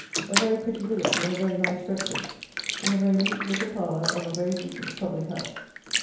A very pretty village, and a very nice breakfast in a very neat little parlour of a very decent public house.